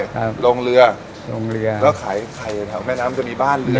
ครับลงเรือลงเรือแล้วขายใครครับแม่น้ำมันจะมีบ้าน